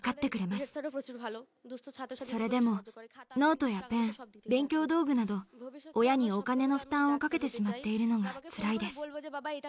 それでもノートやペン勉強道具など親にお金の負担をかけてしまっているのがつらいです。